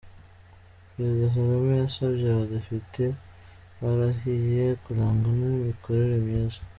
Perezida Kagame yasabye Abadepite barahiye kurangwa n’imikorere myiza .